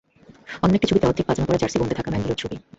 অন্য একটি ছবিতে অর্ধেক পাজামা পরা জার্সি বুনতে থাকা ম্যান্ডেলার ছবি।